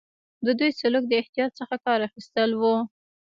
د دوی سلوک د احتیاط څخه کار اخیستل وو.